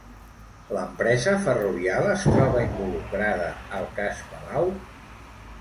L'empresa Ferrovial es troba involucrada al cas Palau?